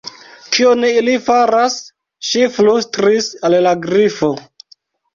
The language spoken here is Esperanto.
"Kion ili faras?" ŝi flustris al la Grifo.